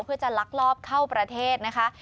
เพื่อจะลักลอบเข้าประเทศนะคะ